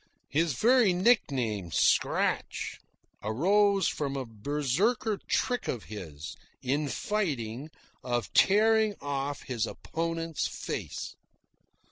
(His very nickname, "Scratch," arose from a Berserker trick of his, in fighting, of tearing off his opponent's face.)